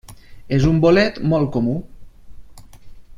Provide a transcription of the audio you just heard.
És un bolet molt comú.